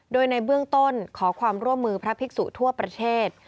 โดยในเบื้องต้นขอความร่วมมือพระภิกษุทั่วประเทศ